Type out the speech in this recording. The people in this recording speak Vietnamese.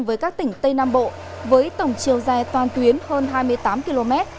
với các tỉnh tây nam bộ với tổng chiều dài toàn tuyến hơn hai mươi tám km